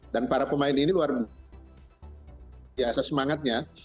dan para pemain ini luar biasa semangatnya